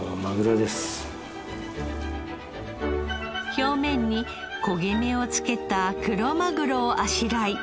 表面に焦げ目を付けたクロマグロをあしらい。